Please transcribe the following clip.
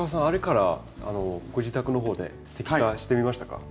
あれからご自宅の方で摘果してみましたか？